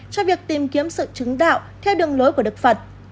cho việc tìm kiếm sự chứng đạo theo đường lối của đức phật